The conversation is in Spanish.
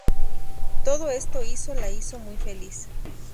Todo esto hizo la hizo muy infeliz.